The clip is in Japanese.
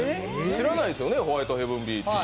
知らないですよね、ホワイトヘブンビーチ。